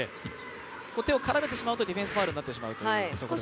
手を絡めてしまうとディフェンスファウルになってしまうということですね。